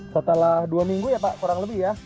setelah dua minggu ya pak kurang lebih ya